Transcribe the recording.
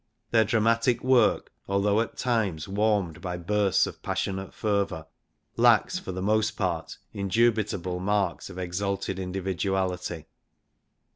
Their dramatic work, although at times warmed by bursts of passionate fervour, lacks for the most part indubitable marks of exalted indi viduality.